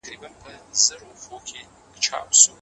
ايا هومر د پادشاه دندې تشريح کړي دي؟